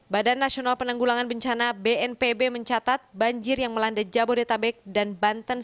badan nasional penanggulangan bencana bnpb mencatat banjir yang melanda jabodetabek dan banten